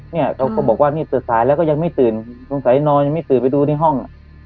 เนี่ยเราก็บอกว่านี่ตื่นสายแล้วก็ยังไม่ตื่นสงสัยนอนยังไม่ตื่นไปดูในห้อง